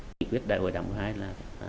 nghị quyết đại hội đảm thứ hai là